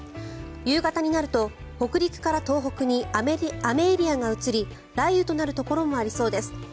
夕方になると北陸から東北に雨エリアが移り雷雨となるところもありそうです。